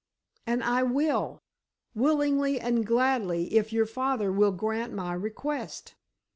"And I will, willingly and gladly, if your father will grant my request."